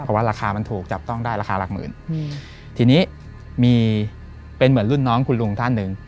เพราะว่าราคามันถูกจับต้องได้ราคาหลักหมื่นทีนี้มีเป็นเหมือนรุ่นน้องคุณลุงท่านหนึ่ง